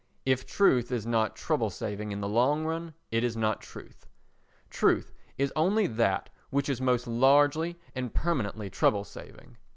If truth is not trouble saving in the long run it is not truth: truth is only that which is most largely and permanently trouble saving.